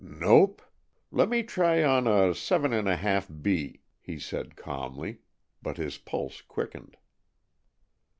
"Nope! Let me try on a seven and a half B," he said calmly, but his pulse quickened.